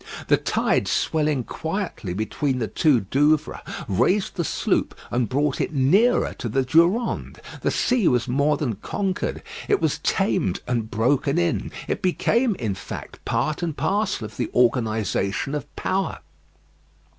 The tide swelling quietly between the two Douvres raised the sloop and brought it nearer to the Durande. The sea was more than conquered; it was tamed and broken in. It became, in fact, part and parcel of the organisation of power.